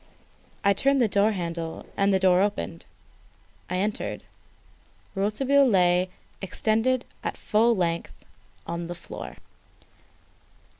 I turned the door handle and the door opened. I entered. Rouletabille lay extended at full length on the floor.